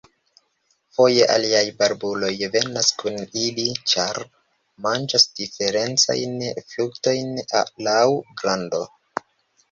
Foje aliaj barbuloj venas kun ili, ĉar manĝas diferencajn fruktojn laŭ grando.